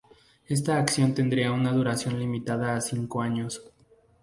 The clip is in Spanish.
Esta acción tendría una duración limitada a cinco años.